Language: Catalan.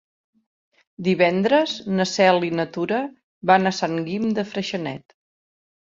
Divendres na Cel i na Tura van a Sant Guim de Freixenet.